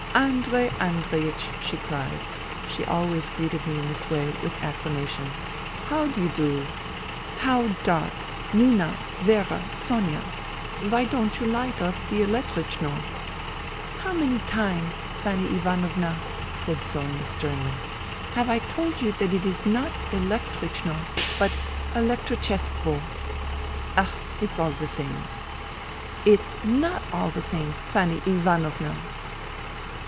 " Andrei Andreiech !" she cried. She always greeted me in this way, with acclamation. " How d'you do I "How dark! Nina! Vera! Sonia! Why don't yoflf light up the elektrichno !"" How many times, Fanny Ivanovna," said Sonia 20 FUTILITY sternly, " have I told you that it is not elektrichno, but elektrichesivo ?'*" Ach ! It's all the same." " It's not all the same, Fanny Ivanovna."